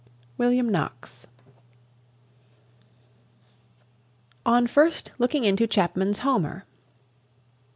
WILLIAM KNOX. ON FIRST LOOKING INTO CHAPMAN'S "HOMER."